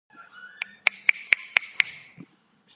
Tarix böyükdür.